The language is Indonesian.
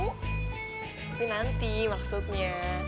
tapi nanti maksudnya